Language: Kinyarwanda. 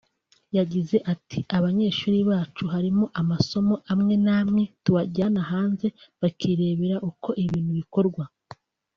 yagize ati “Abanyeshuri bacu harimo amasomo amwe n’amwe tubajyana hanze bakirebera uko ibintu bikorwa